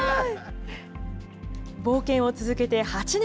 冒険を続けて８年。